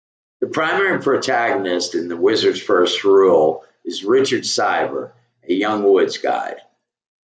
The primary protagonist in "Wizard's First Rule" is Richard Cypher, a young woods guide.